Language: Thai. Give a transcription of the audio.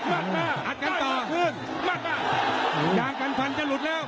มาตราหัดกันต่อหัดกันต่อคืนมาตรายางกันฟันจะหลุดแล้ว